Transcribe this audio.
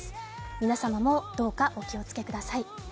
皆様もどうかお気をつけください。